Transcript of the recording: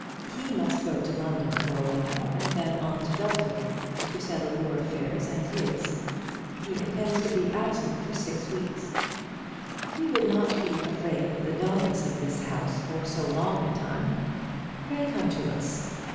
He must go to London for awhile, and then on to Belton, to settle your affairs and his. He intends to be absent for six weeks. If you would not be afraid of the dullness of this house for so long a time, pray come to us.